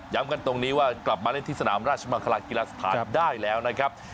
กันตรงนี้ว่ากลับมาเล่นที่สนามราชมังคลากีฬาสถานได้แล้วนะครับ